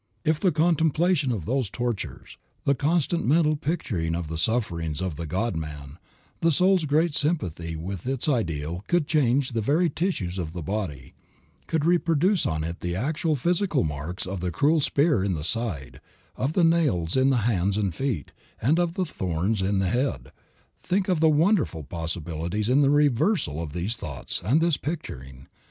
If the contemplation of those tortures, the constant mental picturing of the sufferings of the God man, the soul's great sympathy with its ideal could change the very tissues of the body, could reproduce on it the actual physical marks of the cruel spear in the side, of the nails in the hands and feet and of the thorns in the head, think of the wonderful possibilities in the reversal of these thoughts and this picturing.